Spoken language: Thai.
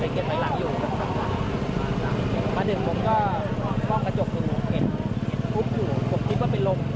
เห็นว่ากระสุนอยู่อยู่อย่างนั้นผมก็เลยเปรียบแล้วก็ขัดแจ้งเขา